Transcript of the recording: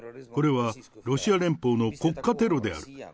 これはロシア連邦の国家テロである。